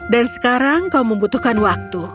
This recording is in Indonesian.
dan sekarang kau membutuhkan waktu